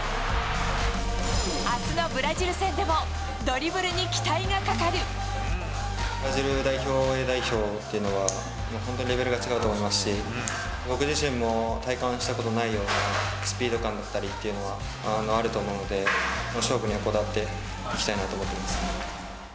あすのブラジル戦でも、ブラジルＡ代表っていうのは、本当にレベルが違うと思いますし、僕自身も体感したことのないようなスピード感だったりっていうのは、あると思うので、勝負にはこだわっていきたいなと思っています。